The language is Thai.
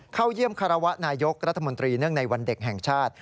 เข้าเยี่ยมคารวะนายกรัฐมนตรีเนื่องในวันเด็กแห่งชาติ